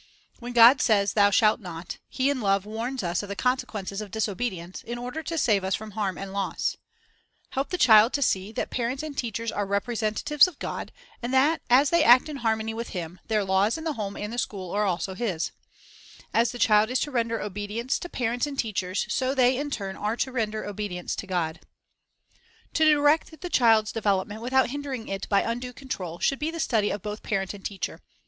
When God says "Thou shalt not," He in love warns us of the consequences of disobedience, in order to save us from harm and loss. Help the child to see that parents and teachers are representatives of God, and that as they act in harmony with Him, their laws in the home and the school are also His. As the child is to render obedience to parents Teaching Obedience Self Government 1 287 ) 288 The Under Teacher Breaking the war Lack of Moral Stamina and teachers, so they, in turn, are to render obedience to God. To direct the child's development without hindering it by undue control should be the study of both parent and teacher.